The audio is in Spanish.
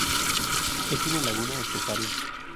Es una laguna esteparia.